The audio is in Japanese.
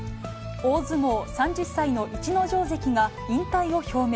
大相撲、３０歳の逸ノ城関が、引退を表明。